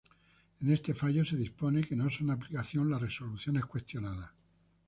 En este fallo se dispone que no son de aplicación las resoluciones cuestionadas.